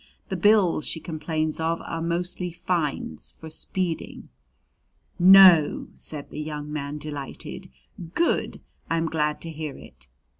"The bills she complains of are mostly fines for speeding." "No!" said the young man, delighted. "Good! I'm glad to hear it.